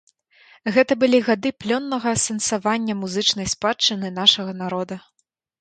Гэта былі гады плённага асэнсавання музычнай спадчыны нашага народа.